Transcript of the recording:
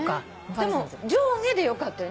でも上下でよかったよね。